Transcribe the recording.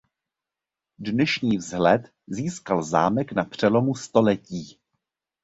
Dnešní vzhled získal zámek na přelomu století.